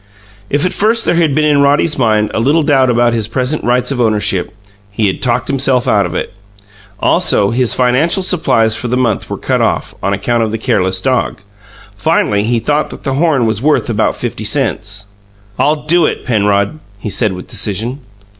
If at first there had been in Roddy's mind a little doubt about his present rights of ownership, he had talked himself out of it. Also, his financial supplies for the month were cut off, on account of the careless dog. Finally, he thought that the horn was worth about fifty cents. "I'll do it, Penrod!" he said with decision.